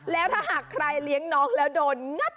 แล้วถ้าหากใครเลี้ยงน้องแล้วโดนงัด